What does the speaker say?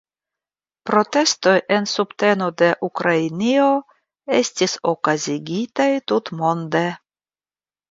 Protestoj en subteno de Ukrainio estis okazigitaj tutmonde.